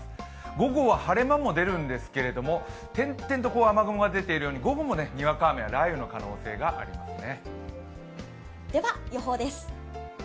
午後は晴れ間も出るんですけど、点々と雨雲が出ているように午後も、にわか雨や雷雨の可能性がありますね。